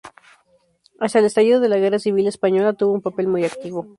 Hasta el estallido de la Guerra Civil Española, tuvo un papel muy activo.